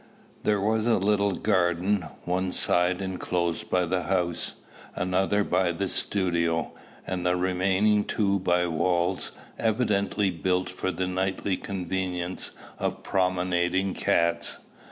There was a little garden, one side enclosed by the house, another by the studio, and the remaining two by walls, evidently built for the nightly convenience of promenading cats.